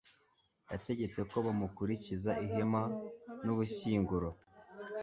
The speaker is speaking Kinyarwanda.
yategetse ko bamukurikiza ihema n'ubushyinguro